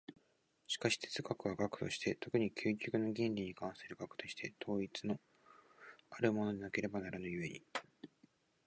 しかし哲学は学として、特に究極の原理に関する学として、統一のあるものでなければならぬ故に、